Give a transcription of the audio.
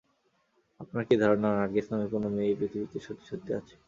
আপনার কি ধারণা, নার্গিস নামের কোনো মেয়ে এই পৃথিবীতে সত্যি-সত্যি আছে?